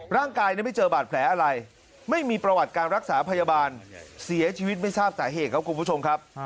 ร่างกายไม่เจอบาดแผลอะไรไม่มีประวัติการรักษาพยาบาลเสียชีวิตไม่ทราบสาเหตุครับคุณผู้ชมครับ